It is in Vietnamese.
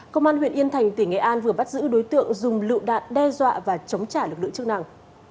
công an huyện yên thành tỉnh nghệ an vừa bắt giữ đối tượng dùng lựu đạn đe dọa và chống trả lực lượng chức năng